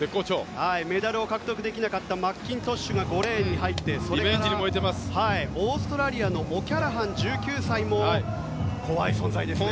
メダルを獲得できなかったマッキントッシュが５レーンに入ってオーストラリアのオキャラハン１９歳も怖い存在ですよね。